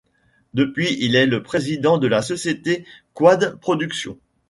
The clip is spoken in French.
Depuis, il est le président de la société Quad Productions.